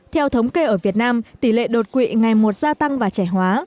theo thống kê ở việt nam tỷ lệ đột quỵ ngày một gia tăng và trẻ hóa